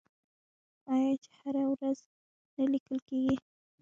آیا چې هره ورځ نه لیکل کیږي؟